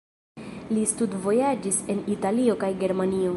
Li studvojaĝis en Italio kaj Germanio.